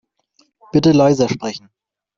Bitte leiser sprechen.